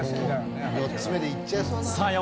４つ目でいっちゃいそうだな。